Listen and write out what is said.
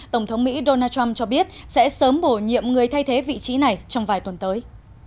tổng thống mỹ donald trump cho biết sẽ sớm bổ nhiệm người thay thế vị trí này trong vài tuần tới